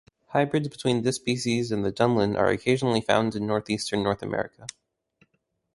Hybrids between this species and the dunlin are occasionally found in northeastern North America.